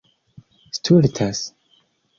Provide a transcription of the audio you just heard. stultas